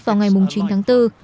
vào ngày chín tháng bốn